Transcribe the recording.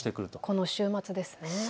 この週末ですね。